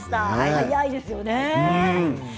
早いですよね。